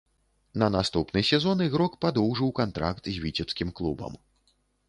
На наступны сезон ігрок падоўжыў кантракт з віцебскім клубам.